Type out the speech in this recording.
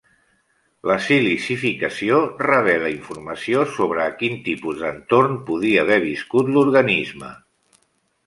La silicificació revela informació sobre a quin tipus d'entorn podia haver viscut l'organisme.